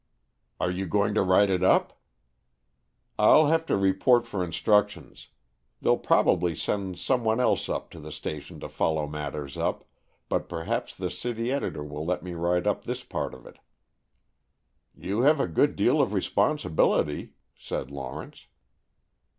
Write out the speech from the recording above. "Are you going to write it up?" "I'll have to report for instructions. They'll probably send some one else up to the station to follow matters up, but perhaps the city editor will let me write up this part of it." "You have a good deal of responsibility," said Lawrence.